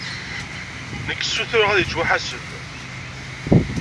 Nekk ssutureɣ ad yettwaḥasef.